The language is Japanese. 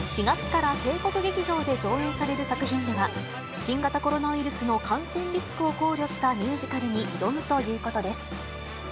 ４月から帝国劇場で上演される作品では、新型コロナウイルスの感染リスクを考慮したミュージカルに挑むということです。